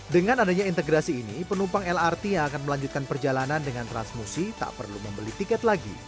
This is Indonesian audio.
dengan adanya integrasi ini penumpang lrt yang akan melanjutkan perjalanan dengan transmusi tak perlu membeli tiket lagi